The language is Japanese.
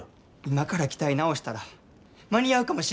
今から機体直したら間に合うかもしれへん。